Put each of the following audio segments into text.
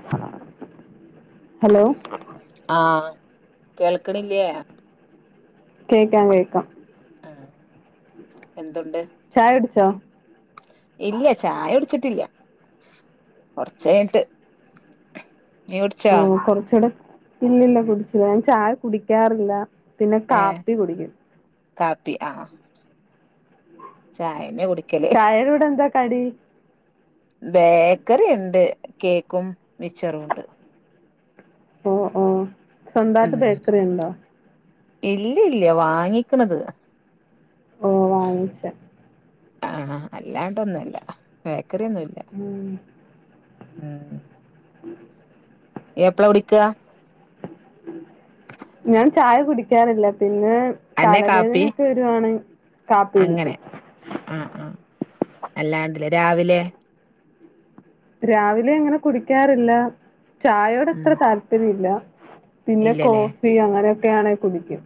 [inaudible] Hello ആഹ് കേൾക്കണില്ലേ കേക്കാം കേക്കാം എന്തുണ്ട് ചായടിച്ചോ ഇല്ല്യ ചായയുടിച്ചിട്ടില്ല്യ കൊറച്ചഴിഞ്ഞിട്ട് മ് കുറച്ചൂടെ ഇല്ലില്ല കുടിച്ചില്ല ഞാൻ ചായ കുടിക്കാറില്ല പിന്നെ ഏഹ് കാപ്പി കുടിക്കും കാപ്പി ആ ആ ചായന്നെ കുട് ചായെടുടെന്താ കടി ബേക്കറി ഇണ്ട് കേക്കും മിച്ചറുണ്ട് ഉം ഉം. സ്വന്തായിട്ട് ബേക്കറിണ്ടോ? ഇല്ല്യല്ല്യ വാങ്ങിക്ക്ണത്. ഓ വാങ്ങിച്ചോ? ആ അല്ലാണ്ടൊന്നുല്ല ബേ ക്കറി ഒന്നുല്ല. ഉം ഉം ഇയ്യപ്പ്ളാ കുടിക്കാ? ഞാൻ ചായ കുടിക്കാറില്ല. പിന്നെ അന്നെ കാപ്പി തലവേദനയൊക്കെ വരുവാണെ കാപ്പി കുടിക്കും. അല്ലാണ്ട് ലെ രാവിലേ? രാവിലെ ങ്ങനെ കുടിക്കാറില്ല. ചായോടത്ര ഉം താല്പര്യല്ല. പിന്നെ ഇല്ലല്ലേ കോഫി അങ്ങനെ യാണെ കുടിക്കും.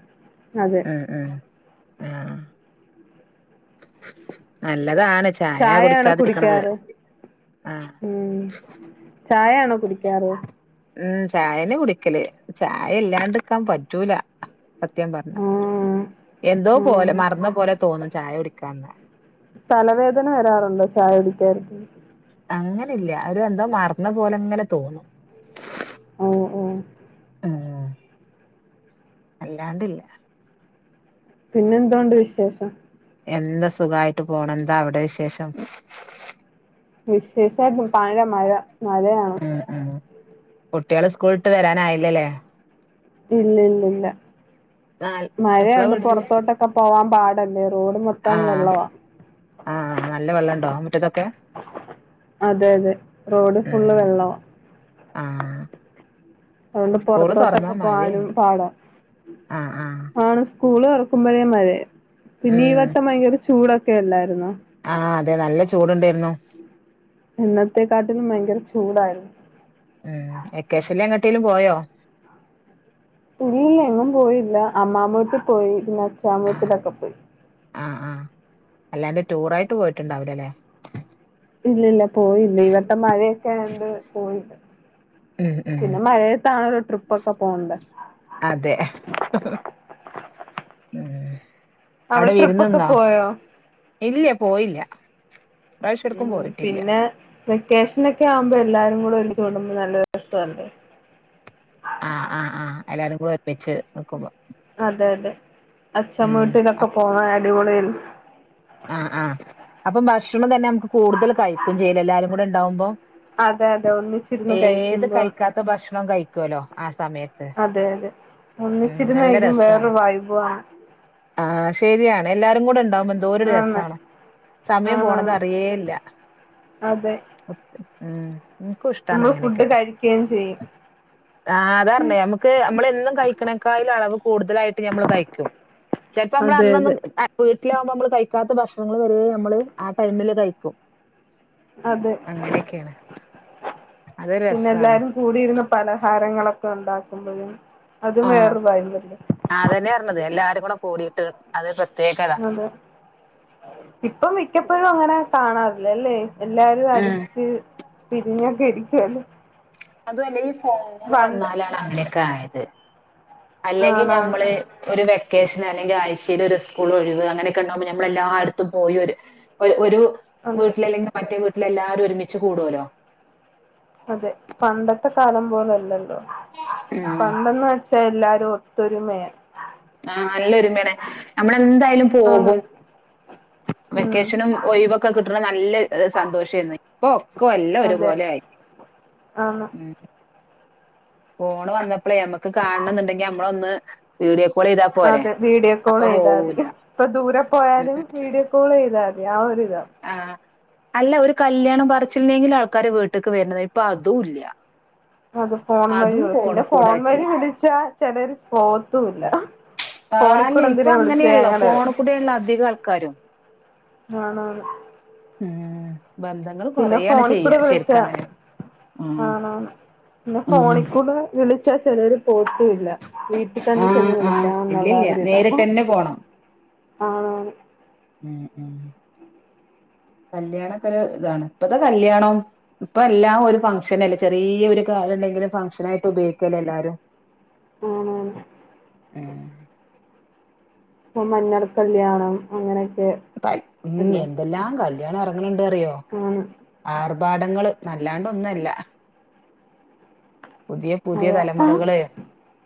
അതെ ഉം ഉം ആ. നാല് നല്ലതാണ് ചായ ചായയാണോ കുടിക്കാതിരിക്ക്ണത് കുടിക്കാറ് ആ ണോ കുടിക്കാറ്? ചായല്ലാണ്ട്ക്കാൻ പറ്റൂല. സത്യം പറഞ്ഞാ ആഹ് എന്തോ പോലെ ആഹ് മറന്നപോലെ തോന്നും ചായ കുടി ക്കാന്നാ. തലവേദന വരാറുണ്ടോ ചായ കുടിക്കാർന്ന? അങ്ങനെല്ല ഒരു എന്തോ മറന്ന പോലെ ങ്ങനെതോന്നും. ഓ ഓ ഏ അല്ലാണ്ടില്ല. പിന്നെന്തൊണ്ട് വിശേഷം? എല്ലാ സുഖായിട്ട് പോണ് എന്താ അവിടെ വിശേഷം? വിശേഷാർന്നു പഴ മഴ മഴയാണ്. കുട്ട്യാള് സ്കൂൾട്ട് വരാനായിലെലേ? പിന്നെന്തുല്ല. നാല് മഴയായോണ്ട് പുറത്തോട്ടൊക്കെ പോവാൻ പാ [unintelligible] ആ ആ ആ നല്ല വെള്ളോണ്ടോ മുറ്റത്തൊക്കെ? അതെ അതെ. റോഡ് ഫുള്ള് വെള്ളാ. ആ അതൊണ്ട് പൊറത്തോട്ടൊക്കെ പോവാനും പാടാ ആഹ് ആഹ് ആണ് സ്കൂള് തോറക്കുമ്പഴേ മഴേ പിന്ന ഈ വട്ടം വയില് ചൂടോക്കെ അല്ലായ് രുനോ ആ അതെ നല്ല ചൂട്ണായിരിര്രന്നു. ഇന്നത്തെക്കാട്ടിലും ഭയങ്കര ചൂടായിരുന്നു. ട്ടിലും പോയാ ഇല്ലില്ല ഞാൻ പോയില്ല അമ്മാമ്മേക്കെ പോയി. [unintelligible] ആ അല്ലാതെ ടൂർ ആയിട്ട് പോയിട്ടുണ്ടാവില്ലല്ലെ ഇല്ലില്ല പോയില്ല ഈ വട്ടം മഴെക്കെ ആയോണ്ട് പോയില്ല ഉം ഉം പിന്നെ മാഴേത്താണ് ട്രിപ്പ്‌ ഒക്ക പോണ് ണ്ടെ അതെ ഉം അവിടെ ട്രിപ്പൊക്കെ വിരുന്നുന്നോ പോയോ? ഇല്ല്യപോയില്ല ഉം പിന്നെ വെക്കേഷനൊക്കെ ആകുമ്പ എല്ലാരും കൂടെഒരുമി ച്ച് കൂടുമ്പ നല്ല രസല്ലേ ആ ആ ആ എല്ലാരും കൂടെ ഒരുമിച്ച് നിക്കുമ്പാ അതെ അതെ. അച്ഛമ്മ വീട്ടിലൊക്കെ പോകാൻ അടിപൊളിയാ ആ ആ അപ്പം ബക്ഷണം തന്നെ മ്മ കൂടുതല് കയിക്കും ചെയ്യൂല്ലോ എല്ലാരും കൂടെണ്ടാ വുമ്പം. അതെ അതെ ഒന്നിച്ചിരുന്ന് ഏത് കഴിക്കുമ്പോ കയിക്കാത്ത ഭക്ഷണോം കയിക്കോല്ലോ ആ സമയത്ത്. ഉം ഒന്നിച്ചിരുന്ന്‌ കഴിക്കുമ്പ വേറെ വൈബു ആണ്. ആ ശെരിയാണ് എല്ലാരും കൂടേണ്ടാ വുമ്പം എന്തോരു ആണ്. രസാണ്. സമയം ആണോ പോണത് അറിയേയില്ല. അതെ ഉം. ഇൻക്കും ഷ്ട്ടാണ് നമ്മള് ഫുഡ് അങ്ങനെക്കെ. കഴിക്കുകയും ചെയ്യും ആ അതർഞ്ഞേ നമുക്ക് നമ്മള് എന്നും കഴിക്കണേക്കാ അളവ്. കൂടുതലായിട്ട് നമ്മള് കയിക്കും പെൻപ്പ മ്മള് അതെ അന്നൊന്നും അതെ വീട്ടിലാവുമ്പ നമ്മള് കഴി ക്കാത്ത ഭക്ഷണങ്ങള വരെ നമ്മള് ആ ടൈമില് കഴിക്കും അതെ അങ്ങനെയൊക്കെയാണ് അതൊരു പിന്നെ രസാണ്. എല്ലാരും കൂടിയിരുന്ന് പല ഹാരങ്ങളൊക്കെ ഉണ്ടാക്കുന്നത് ആ അതെന്നെ അർനത് എല്ലാരും [unintelligible] കൂടി ട്ട് അതേ ഡ്ര അതെ ഇപ്പം മിക്കപ്പഴും അങ്ങനെ കാണാറില്ലല്ലേ എല്ലാരും ഉം അടിച്ച് പിരിഞ്ഞൊക്കെ ഇരിക്കുവല്ലേ അതു അല്ല ഈ വന്നാലാണ് അങ്ങനൊക്കെ ആ യത് അല്ലെങ്കിൽ ആണാണ് ഞമ്മള് ഒരു വെക്കേഷൻ അല്ലെങ്കിൽ ആഴ് ചീല് ഒരു സ്കൂൾ ഒഴിവ് അങ്ങനെയൊക്കെ ഉണ്ടാവുമ്പോ നമ്മൾ എല്ലായിടത്തും പോയി ഒരു ഒരു അതെ വീട്ടില് അല്ലെങ്കിൽ മറ്റേ വീ ട്ടിലെല്ലാരും ഒരുമിച്ച് കൂടൂലോ അതെ പണ്ടത്തെ കാലം പോലല്ല ഇ പ്പൊ ഉം പണ്ടെന്ന് വെച് പക്ഷെ എല്ലാരും ഒത്തൊരുമയ ആ നല്ലൊരുമേണ് നമ്മള് എന്തായാലും ആണ് പോകും ഉം വെക്കേഷനും ഒഴിവൊക്കെ കിട്ടണ നല്ല സന്തോഷേര്ന്ന് ഇപ്പൊ ഒക്ക അല്ല അതെ ഒരുപോലെ ആയി ആണ് ഉം ഫോണ് വന്നപ്പളേ നമുക്ക് കാണണം എന്നുണ്ടെങ്കി നമ്മളൊന്ന് വീഡിയോ കോൾ ചെയ്താ പോരെ അതെ വീഡിയോ കോൾ അപ്പൊ ചെയ്താ മതി പോവൂല ഇപ്പൊ ദൂരെ പോയാലും വീഡിയോ കോൾ ചെയ്താ മതി യാര് ആ അല്ല ഒരു കല്യാണം പർച്ചിൽനെങ്കിലും ആൾക്കാര് വീട്ടിക്ക് വരുനതാ ഇപ്പൊ അതും ഇല്ല അത് ഫോൺ അതും വഴിയാ ഫോണ് പിന്നെ ഫോൺ കൂടാക്കി വഴി വിളിച്ചാ ചിലര് [unintelligible] തൂല്ല ആ അ ന്നെ ഇപ്പൊ അങ്ങനെയള്ളോ ഫോണ് കൂടെ ഉള്ളോ അധികം ആൾക്കാരും ആണാണ് ഏ പിന്നെ ഫോണിൽ കൂടെ വിളിച്ച ആ ആഹ് പിന്നെ ഉം ഫോണിൽ കൂടെ വിളിച്ചാ ആ പിന്നെ ഫോണിൽ കൂടെ വിളിച്ചാ ചെലര് പോകത്തും ഇല്ല വീട്ടിൽ തന്നെ ചെന്ന് ആഹ് ആഹ് വിളിക്കണം എന്നുള്ള ഇല്ലില്ല ഒരിതാ നേരിട്ടെന്നെ പോണം ആ ഉം ഉം കല്യാണൊക്കെ ഒരു ഇതാണ് ഇപ്പത്തെ കല്യാണും ഇപ്പൊ എല്ലാം ഒരു ചെറിയൊ ഒരു കാര്യം ഉണ്ടെങ്കിലും ഫംഗഷൻ ആയിട്ട് ഉപയോഗിക്കല്ലോ എല്ലാരും ആ മഞ്ഞൾ കല്യാണം അങ്ങനെ ന എന്തെല്ലാം കല് ല്ല്യാണ എർങ്ങ്ണ്ണ്ട് എന്താറിയോ ആണ് ആർഭാടങ്ങള് നല്ലാണ്ട് ഒന്നല്ല അതോ ആ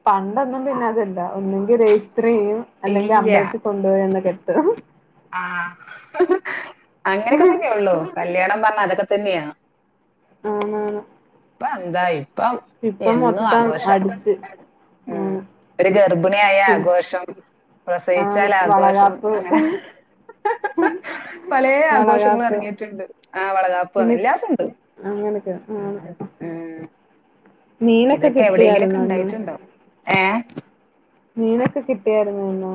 പണ്ടൊന്നും പിന്നെ അതല്ല ഒന്നെങ്കിൽ രജിസ്റ്റർയ്യും അല്ലെങ്കി ഇല്ല അമ്പലത്തിൽ കൊണ്ടു പോയി ഒന്ന് കെട്ട ആ ആ അങ്ങനൊക്കെ തന്നെയ ഉള്ളൂ കല്യാണം [unintelligible] ആന്ന് ആന്ന് എന്തായി ഇപ്പം എന്നും ആഘോഷം അടിച്ച് ഉം ആണ് ഒരു ഗർഭിണിയായ പിൻ- ആഘോഷം ആണ് പ്രസവിച്ചാൽ ആഘോഷം വളകാപ്പ് അങ്ങനെ പല ആഘോഷങ്ങളും വളകാപ്പ് ഇറങ്ങിട്ടുണ്ട് ആ വളകാപ്പ് പിന്നെ എല്ലാതുണ്ട് [inaudible] അങ്ങനൊക്കെ ആണ് മീനൊക്കെ ഇതൊക്കെ എവിടെയെങ്കിലൊക്കെ കിട്ടിയായിരുന്നോ ന്ന് ഉണ്ടായിട്ടുണ്ടോ ഏ മീനൊക്കെ കിട്ടിയാരുന്നോ ന്നോ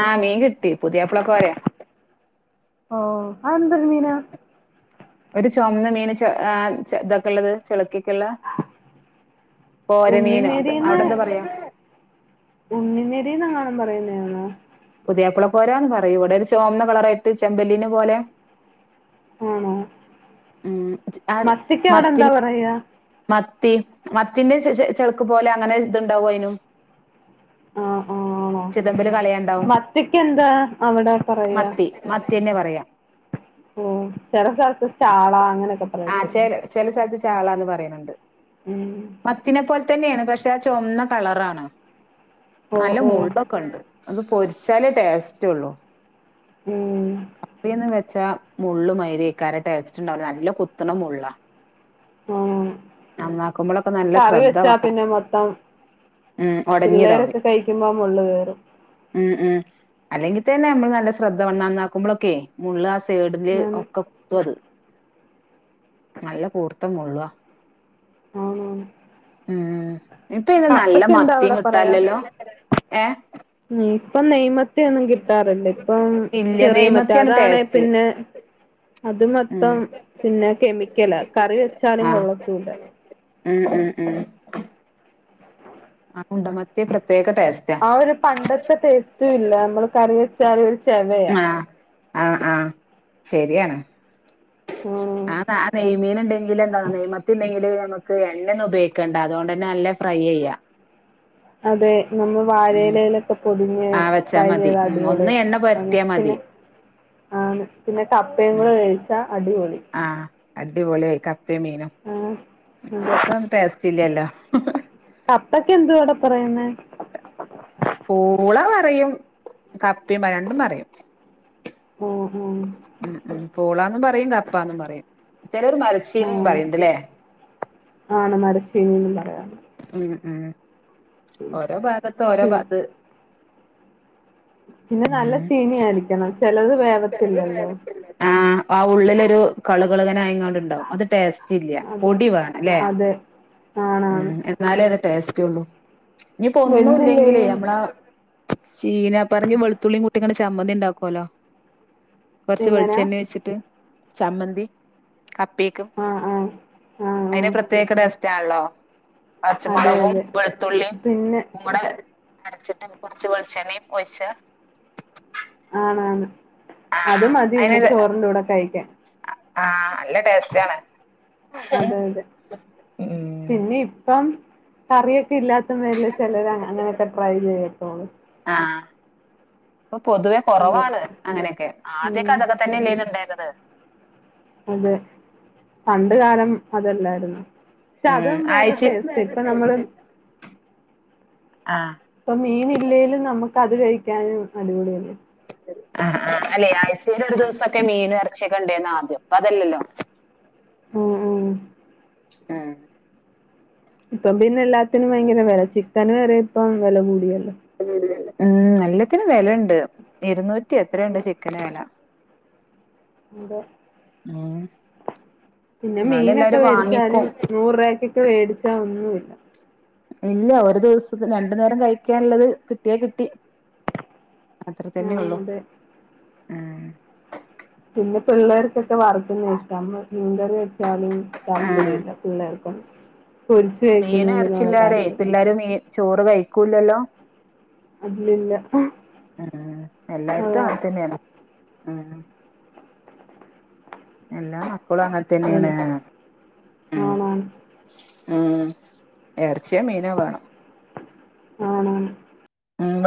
ആഹ മീൻ കിട്ടി പുതിയപ്പളകോര ഓ അ ന്തേരു മീനാ ഒരു ചൊമന്ന മീന് ഇതൊക്കെ ഉള്ളത് ചെളക്കി കോര മീനോ അത് അവിടെന്താ പറയാ ഉണ്ണി മേരീന്ന ങ്ങണം പറയുന്നേന്നോ പുതിയാപ്പള കോരാന്ന് പറയൂ ഇവിടെ ഒരു ചോമന്ന കളറായിട്ട് ചെമ്പല്ലിനെ പോലെ ആണോ ഉം, ച- ആ മത്തിക്ക് അവിടെ എന്താ മത്തിൽ പറയ മത്തി മത്തിറെ ചെളുക്ക് പോലെ അങ്ങനെ ഇതുണ്ടാവും അയ്നും ആഹ ആ ആണോ കളയണ്ടാവും മറ്റക്ക എന്താ അവിടെ പറയാ മത്തി മത്തിന്നെ പറയാ ഓ ചെറ സ്ഥറത്ത് ചാള അങ്ങനെയൊക്കെ ആഹ് ച പറയത്തില്ലേ ചെ ചാളാന്ന് പറയുന്നുണ്ട് ഉം. മത്തിനെ പോലെ തന്നെയാണ് പക്ഷെ ആ ചൊവന്ന കളറാണ് ഓ നല്ല ഓ മുള്ളൊക്കെ ഇണ്ട് അത് പൊരിച്ചാലേ ടേസ്റ്റ് ഒള്ളു ഉം കപ്പേന്ന് വെച്ചാ മുള്ള് മാരിയ്ക്കാരം ടേസ്റ്റ് ഇണ്ടാവൂലാ നല്ല കു ത്ത്ണ മുള്ളാ ഉം നല്ല കറി ശ്രദ്ധ വെച്ചാ വേണം തന്നെ മൊത്തം ഉം ഒടഞ്ഞതാവും പിള്ളേരൊക്കെ കഴിക്കുമ്പോ മുള്ള് കേറും ഉം ഉം അല്ലെങ്കിൽ തന്നെ നമ്മള് നല്ല ശ്രദ്ധ വേണം നന്നാക്കുമ്പോളൊക്കെ മുള്ള് ആ സേട്ൽ ആണ് ഒക്കെ കുത്തും അത് നല്ല കൂർത്ത മുള്ളാ ആന്നാന്ന് ഏ ഇപ്പ അയിന് നല്ല മത്തിം പറയാ കിട്ടാല്ലല്ലോ ഏഹ് ഉം ഇപ്പം നെയ് മ ത്തിയൊന്നും കിട്ടാറില്ല ഇപ്പം ഇല്ല ചെറിയ മറ്റെ നെയ്മത്തിയാണ് അതാണെ ടേസ്റ്റ് പിന്നെ അത് ഉം മൊത്തം പിന്നെ കെമിക്കലാ കറി വെച്ചാലും ആഹ് കൊള്ളത്തൂല്ലാ ഉം ഉം ഉം ആ ഉണ്ട മത്തിയാ പ്ര ആ ഒരു പണ്ടത്തെ ടേസ്റ്റ് ല്ല നമ്മൾ കറി വെച്ചാല് ചെവയാ ആ ആ ശരിയാണ് ഉം ആ താ ആ നെയ്മീൻ ഇണ്ടെങ്കിൽ എന്താ നെയ്മത്തി ഇല്ലെങ്കില് നമ്മക്ക് എണ്ണോന്നും ഉപയോഗിക്കണ്ട അതോണ്ട്ന്നെ നല്ല ഫ്രൈ ചെയ്യാ അതെ നമ്മൾ വാഴയിലെലൊക്കെ പൊതിഞ്ഞ് ആ വെച്ചാ ഫ്രൈ മതി ചെയ്താ ഉം അടിപൊളി ഒന്ന് എണ്ണ ആണ് പൊരട്ടിയാ മതി പിന്നെ ആണ് പിന്നെ കപ്പെം ഉം കൂടെ വേവിച്ച അടിപൊളി ആഹ് അടിപൊളിയായി ക പ്പേം മീനും ആ അതെ ഇപ്പത്തെ ഒന്നും ടേസ്റ്റ് ഇല്ലല്ലോ കപ്പക്ക് എന്തുവാ അവിടെ പറയുന്നെ പൂള പറയും കപ്പിം പറിം രണ്ടും പറിം ഉം ഉം ഉം പോളാന്നും പറിയും കപ്പാനും പറിയും ചെലര് ഓ മരച്ചീനിം പറിണ്ട് ലെ ആണ് മരച്ചീനിന്നും പറയാം ഉം ഉം ഓരോ ഭാഗത്ത് ഓരോ ഭാത്ത് പിന്നെ നല്ല ചീനി ആയിരിക്കണം ചെലത് ചെലവ് വേവത്തില്ലല്ലോ വേറെക്കെല്ലേ കൾ ഇങ്ങനെ ആയിങ്ങാ ണ്ടാവും അത് ടേസ്റ്റ് ഇല്ല അതെ പൊടി വേണം അല്ലെ അതെ ആണാണ് ഉം എന്നാലേ അത് ടേസ് [unintelligible] ഇനിപ്പോ ഒന്നുംല്ലെങ്കിലേ വെന്തില്ലേലും നമ്മളാ ചീനാ പറങ്ങി വെളുത്തുള്ളി കൂട്ടി ചമ്മതി ഉണ്ടാക്കുവലോ കുറച്ച് എങ്ങനാ? വെളിച്ചെണ്ണ ഒഴിച്ചിട്ട് ചമ്മന്തി കപ്പക്കും ആഹ് ആഹ് ആഹ് അതിന് ആഹ് പ്രത്യേക ടേസ്റ്റ് ആണല്ലോ അതെ പച്ചമുളകും അതെ വെളുത്തുള്ളിയും പിന്നെ ഉപ്പും കൂടെ അരച്ചിട്ട് കുറച്ചു വെളിച്ചെണ്ണയും ഒഴിച്ച് ആണാണ് അത് മതി പിന്നെ അയിന് ചോറിന്റെറെ കൂടെ കഴിക്കാൻ ആഹ് നല്ല ടേസ്റ്റ ആണ് അതെ അതെ പിന്നെ ഇപ്പം [unintelligible] ഇല്ലാത്ത പേരിലെ ചിലര് അങ്ങനെയൊക്കെ ട്രൈ ചെയ്യത്തോള്ളൂ അപ്പൊ പൊതുവെ കുറവാണ് അങ്ങനെയൊക്കെ ആദ്യമൊക്കെ ഉം അതൊക്കെ തന്നെ ഇല്ലന്നണ്ടായിരുന്നത് ആ അതെ പണ്ട് കാലം അതല്ലായിരുന്നോ പക്ഷെ ഉം അതും വേറൊരു ആഴ്ച ടേസ്റ്റ് ഇപ്പൊ നമ്മള് ആ ഇപ്പം മീൻ ഇല്ലേലും നമ്മക്ക് അത് കഴിക്കാൻ അടിപൊളിയല്ലേ ആ ആ അല്ലെ ആഴ്ചയിൽ ഒരു ദിവസമൊക്കെ മീനും ഇറച്ചിയുമൊക്കെ ഉണ്ടാരുന്നു ആദ്യം ഇപ്പൊ അതല്ലല്ലോ ഉം ഉം ഉം ഇപ്പം പിന്നെ എല്ലാത്തിനും ഭയങ്കര വില ചിക്കന് വരെ ഇപ്പൊ വില കൂടിയല്ലോ [unintelligible] എല്ലത്തിനും വില ഉണ്ട് ഇരുന്നൂറ്റി എത്രങ്ങാണ്ട ആന്ന് ചിക്കൻ വില അതെ ഉം പിന്നെ എന്നാലും മീൻ ഒക്കെ എല്ലാരും വെടിച്ചാലും വാങ്ങിക്കും നൂറ് രൂപയ്ക്കൊക്കെ വെടിച്ചാല് ഒന്നും ഇല്ല ഒരു ദിവസം രണ്ടു നേരം കഴിക്കാനുള്ളത് കിട്ടിയാൽ കിട്ടി അത്ര തന്നെ ആഹ് ഉള്ളൂ [inaudible] അതെ പിള്ളാർക്കൊക്കെ വറുക്കുന്നത് ഇഷ്ടം മീൻകറി വെച്ചാലും ഉം താല്പര്യം ഇല്ല പിള്ളേർക്കും പൊരിച്ചു മീനും കഴിക്കുന്ന ഇതിനോുള്ള ഇറച്ചില്ലാരെ [unintelligible] പിള്ളേര് മീ ചോറ് കഴിക്കൂലല്ലോ അതിലില്ല ആ ആ എല്ലാം ഇപ്പളും അങ്ങനെ തന്നെയാണ് ശരി. ഉം ആണാണ് ഉം ഇർ ഇറച്ചിയോ മീനോ വേണം. ആണാണ് [inaudible]